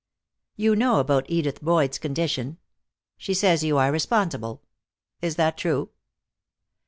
"You know about Edith Boyd's condition. She says you are responsible. Is that true?"